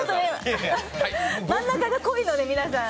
真ん中が濃いので、皆さん。